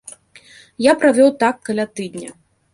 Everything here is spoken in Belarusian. Я правёў так каля тыдня.